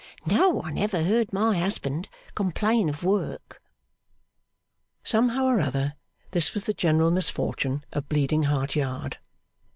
No one ever heard my husband complain of work.' Somehow or other, this was the general misfortune of Bleeding Heart Yard.